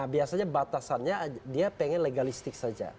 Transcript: biasanya batasannya dia pengen legalistik saja